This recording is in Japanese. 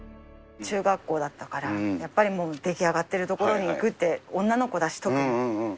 中学校だったから、やっぱりもう、出来上がっている所に行くって、女の子だし、特に。